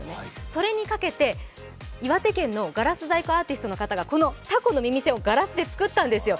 それにかけて、岩手県のガラス細工アーティストの方がこのタコの耳栓をガラスで作ったんですよ。